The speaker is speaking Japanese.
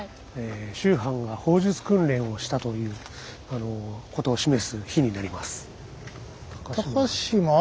秋帆が砲術訓練をしたということを示す碑になります。